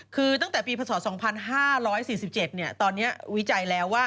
คือตั้งแต่ปีพศ๒๕๔๗ตอนนี้วิจัยแล้วว่า